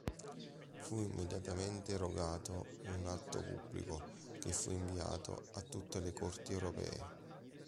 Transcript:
Fu immediatamente rogato un atto pubblico, che fu inviato a tutte le corti europee.